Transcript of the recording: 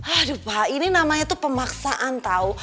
aduh pak ini namanya tuh pemaksaan tau